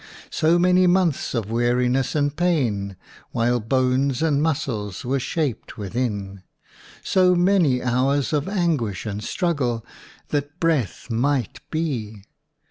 So many months of weariness and pain while bones and muscles were shaped within! So many hours of anguish and struggle that breath might be!